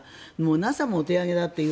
ＮＡＳＡもお手上げだという。